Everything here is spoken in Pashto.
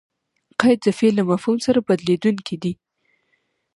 قید؛ د فعل له مفهوم سره بدلېدونکی دئ.